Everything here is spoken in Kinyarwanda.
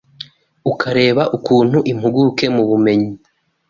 ukareba ukuntu impuguke mu bumenyi